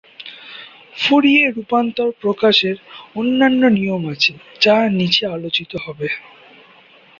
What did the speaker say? ফুরিয়ে রূপান্তর প্রকাশের অন্যান্য নিয়ম আছে যা নিচে আলোচিত হবে।